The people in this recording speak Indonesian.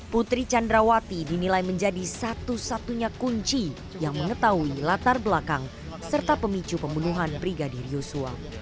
putri candrawati dinilai menjadi satu satunya kunci yang mengetahui latar belakang serta pemicu pembunuhan brigadir yosua